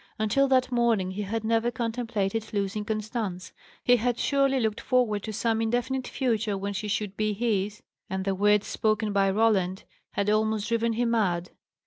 Until that morning he had never contemplated losing Constance; he had surely looked forward to some indefinite future when she should be his; and the words spoken by Roland had almost driven him mad.